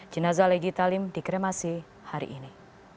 jenazah legi talim dikremasi hari ini